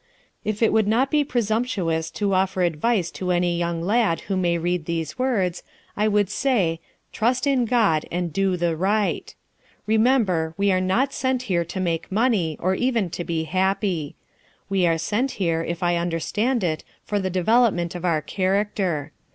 "If it would not be presumptuous to offer advice to any young lad who may read these words, I would say, 'Trust in God and do the right.' Remember, we are not sent here to make money, or even to be happy; we are sent here, if I understand it, for the development of our character.